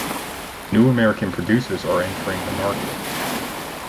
New American producers are entering the market.